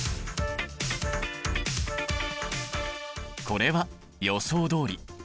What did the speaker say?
これは予想どおり。